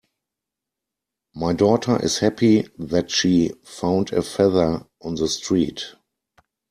My daughter is happy that she found a feather on the street.